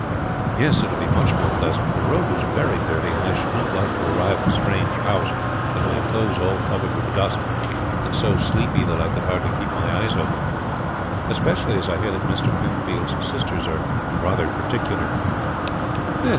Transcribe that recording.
"Yes, it will much more pleasant," Ralph said. "The road was very dirty, and I should not like to arrive at a strange house with my clothes all covered with dust, and so sleepy that I could hardly keep my eyes open, especially as I hear that Mr. Penfold's sisters are rather particular."